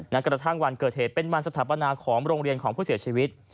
กระทั่งวันเกิดเหตุเป็นวันสถาปนาของโรงเรียนของผู้เสียชีวิต